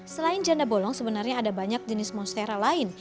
selain janda bolong sebenarnya ada banyak jenis monstera lain